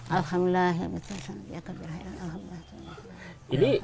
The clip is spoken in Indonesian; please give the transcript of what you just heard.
alhamdulillah hira biak alamin di tampik